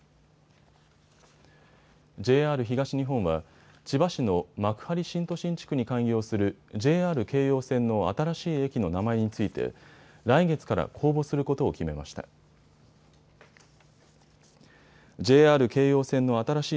ＪＲ東日本は千葉市の幕張新都心地区に開業するＪＲ京葉線の新しい駅の名前について来月から公募することを決めました。